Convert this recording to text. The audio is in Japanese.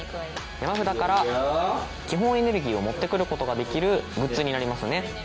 山札から基本エネルギーを持ってくることができるグッズになりますね。